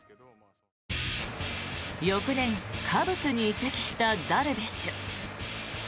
翌年、カブスに移籍したダルビッシュ。